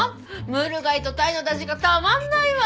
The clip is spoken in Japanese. ムール貝とタイの出汁がたまんないわ！